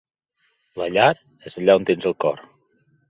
La llar és allà on tens el cor.